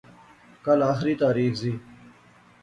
کل آھری تاریخ ذی